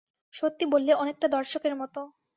সত্যি বললে, অনেকটা দর্শকের মতো।